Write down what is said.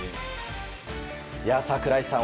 櫻井さん。